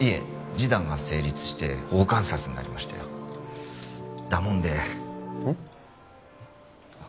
示談が成立して保護観察になりましたよだもんでうん？